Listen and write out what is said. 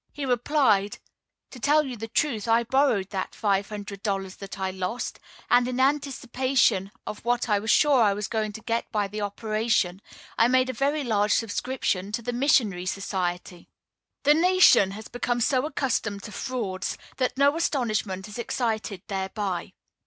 He replied: "To tell you the truth, I borrowed that five hundred dollars that I lost, and, in anticipation of what I was sure I was going to get by the operation, I made a very large subscription to the Missionary Society." The nation has become so accustomed to frauds that no astonishment is excited thereby.